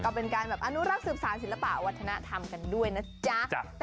ก็เป็นการแบบอนุรักษ์สืบสารศิลปะวัฒนธรรมกันด้วยนะจ๊ะ